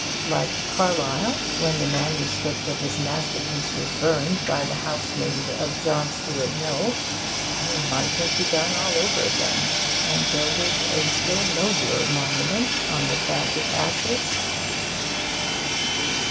Like Carlyle, when the MS. of his masterpiece was burned by the housemaid of John Stuart Mill, he might have begun all over again, and builded a still nobler monument on the tragic ashes.